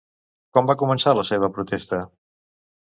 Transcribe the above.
Com va començar la seva protesta?